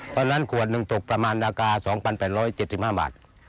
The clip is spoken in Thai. เพราะฉะนั้นขวดนึงตกประมาณอาการ๒๘๗๕บาท